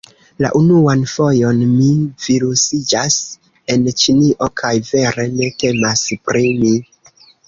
La unuan fojon - mi virusiĝas en Ĉinio, kaj, vere ne temas pri mi...